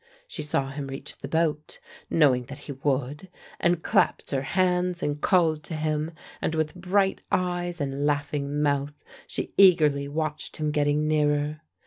She saw him reach the boat, knowing that he would, and clapped her hands and called to him, and with bright eyes and laughing mouth she eagerly watched him getting nearer.